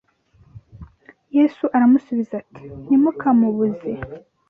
Yesu aramusubiza ati “Ntimukamubuze